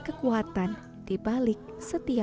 kehidupan memang tidak selamanya